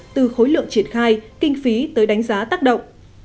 từ khối lượng triển khai kinh phí tới đánh giá tác động